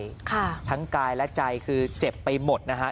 ตอนนี้ชอกช้ำรกรรมใจทั้งกายและใจคือเจ็บไปหมดนะฮะ